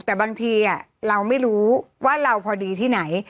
แต่บางทีเราไม่รู้ว่าเราพอดีที่ไหน